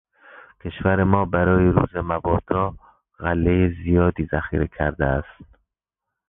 کشور ما برای روز مبادا غلهٔ زیادی ذخیره کرده است.